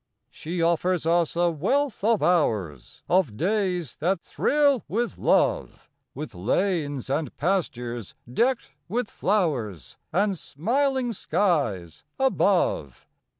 She offers us a wealth of hours, Of days that thrill with love, With lanes and pastures decked with flowers, And smiling skies above.